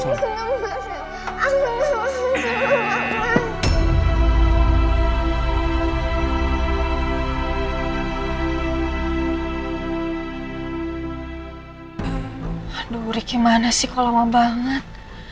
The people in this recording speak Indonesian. aduh riki mana sih kau lama banget